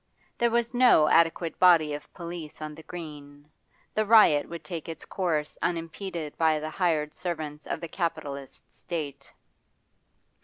There was no adequate body of police on the Green; the riot would take its course unimpeded by the hired servants of the capitalist State.